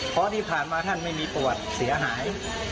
เพราะที่ผ่านมาท่านไม่มีประวัติเสียหาย